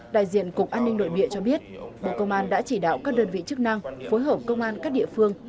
đại diện cục an ninh nội địa cho biết bộ công an đã chỉ đạo các đơn vị chức năng phối hợp công an các địa phương